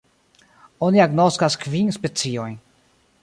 Oni agnoskas kvin speciojn.